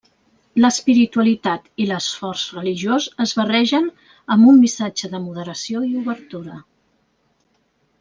L'espiritualitat i l'esforç religiós es barregen amb un missatge de moderació i obertura.